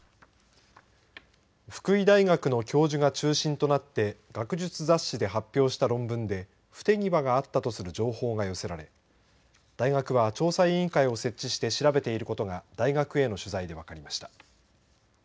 福井大学の教授が中心となって学術雑誌で発表した論文で不手際があったとする情報が寄せられ大学の調査委員会を設置して調べていることが大学のへの取材で分かりました。